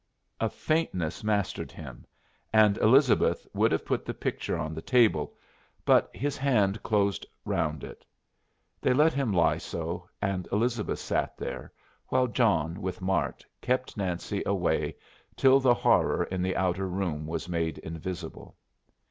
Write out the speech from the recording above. A faintness mastered him, and Elizabeth would have put the picture on the table, but his hand closed round it. They let him lie so, and Elizabeth sat there, while John, with Mart, kept Nancy away till the horror in the outer room was made invisible.